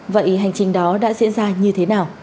vậy hành trình đó đã diễn ra như thế nào